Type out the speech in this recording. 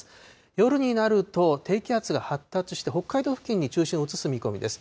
夜になると、低気圧が発達して、北海道付近に中心を移す見込みです。